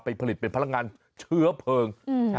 ผลิตเป็นพลังงานเชื้อเพลิง